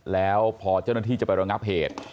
แล้วพอเจ้าหน้าที่จะไประงับเหตุ